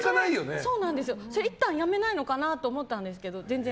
いったんやめないのかなと思ったんですけど全然。